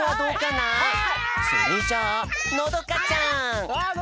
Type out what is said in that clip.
それじゃあのどかちゃん！